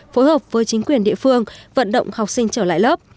phối hợp với chính quyền địa phương vận động học sinh trở lại lớp